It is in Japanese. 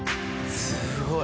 すごい。